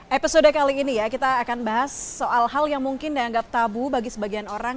episode kali ini ya kita akan bahas soal hal yang mungkin dianggap tabu bagi sebagian orang